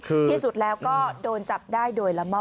ที่สุดแล้วก็โดนจับได้โดยละม่อม